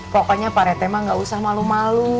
pokoknya pak rete mah gak usah malu malu